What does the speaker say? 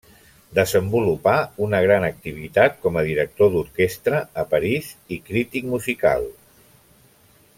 Desenvolupà una gran activitat com a director d'orquestra a París i crític musical.